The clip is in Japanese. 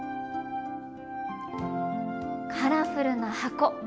カラフルな箱。